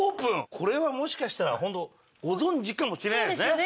これはもしかしたら本当ご存じかもしれないですね。